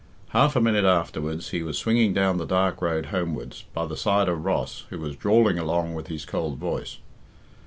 Half a minute afterwards he was swinging down the dark road homewards, by the side of Ross, who was drawling along with his cold voice.